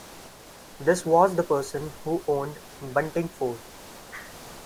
This was the person who owned Buntingford.